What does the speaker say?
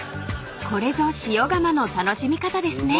［これぞ塩竈の楽しみ方ですね］